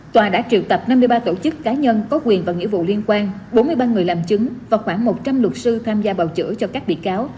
tòa đã triệu tập năm mươi ba tổ chức cá nhân có quyền và nghĩa vụ liên quan bốn mươi ba người làm chứng và khoảng một trăm linh luật sư tham gia bào chữa cho các bị cáo